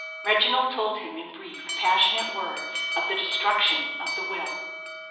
Reginald told him, in brief, passionate words, of the destruction of the will.